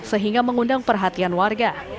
sehingga mengundang perhatian warga